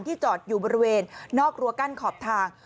จอดอยู่บริเวณนอกรั้วกั้นขอบทาง